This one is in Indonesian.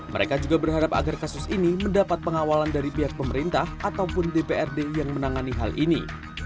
mereka juga berharap agar kasus ini mendapat pengawalan dari pihak pemerintah ataupun dprd yang menangani hal ini